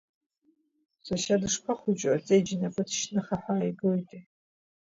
Сашьа дышԥахәыҷу, аҵеиџь инапы ҭшьны, ахаҳә ааигоитеи!